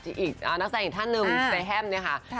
อีกนักแสดงท่านหนึ่งสุดแฮมนะคะ